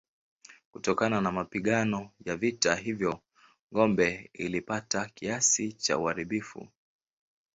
Kutokana na mapigano ya vita hivyo ngome ilipata kiasi cha uharibifu.